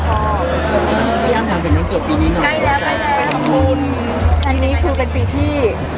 ตอนนี้เป็นปีที่